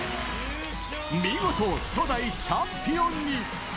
見事、初代チャンピオンに。